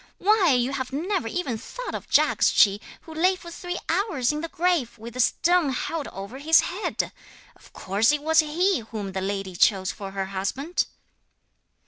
'Why, you have never even thought of Jagdschi, who lay for three hours in the grave, with a stone held over his head! Of course it was he whom the lady chose for her husband!'